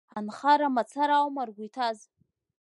Анхара амацара аума ргәы иҭаз?